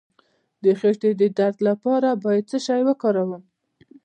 د خیټې د درد لپاره باید څه شی وکاروم؟